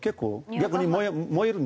逆に？